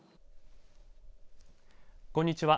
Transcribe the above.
こんにちは。